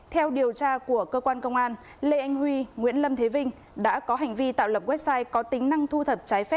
theo điều tra của cơ quan công an lê anh huy nguyễn lâm thế vinh đã có hành vi tạo lập website có tính năng thu thập trái phép